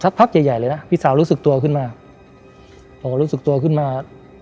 พักใหญ่ใหญ่เลยนะพี่สาวรู้สึกตัวขึ้นมาผมก็รู้สึกตัวขึ้นมา